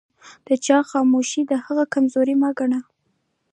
د يوچا خاموښي دهغه کمزوري مه ګنه